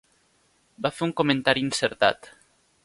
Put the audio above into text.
Va fer un comentari encertat.